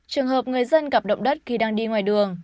trường hợp người dân gặp động đất khi đang đi ngoài đường